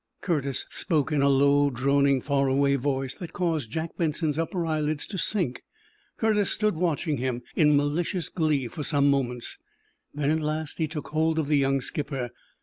Curtis spoke in a low, droning, far away voice that caused Jack Benson's upper eyelids to sink. Curtis stood watching him, in malicious glee, for some moments. Then, at last, he took hold of the young skipper.